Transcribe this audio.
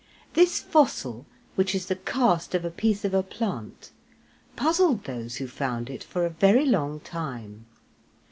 This fossil, which is the cast of a piece of a plant, puzzled those who found it for a very long time.